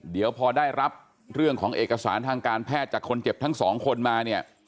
เดี๋ยวพอได้รับเรื่องของเอกสารทางการแพทย์จากคนเจ็บทั้งสองคนมาเนี่ย